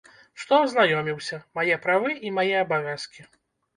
Што азнаёміўся, мае правы і мае абавязкі.